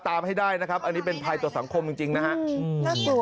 ตามให้ได้นะครับอันนี้เป็นภายตัวสังคมจริงนะฮะ